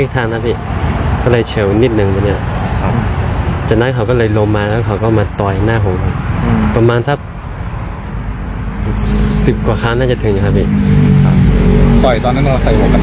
คือก่อนหน้าเนี้ยมันต่อยผมหลายครั้งนะครับอ๋อเราก็ยุ่งไว้ขอโทษ